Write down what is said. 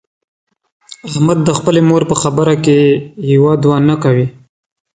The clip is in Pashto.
احمد د خپلې مور په خبره کې یو دوه نه کوي.